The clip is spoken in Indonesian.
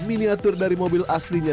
miniatur dari mobil aslinya